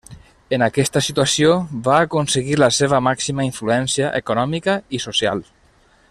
En aquesta situació va aconseguir la seva màxima influència econòmica i social.